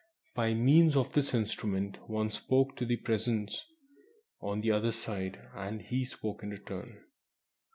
By means of this instrument one spoke to the Presence on the other side, and he spoke in return.